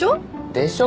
「でしょ？」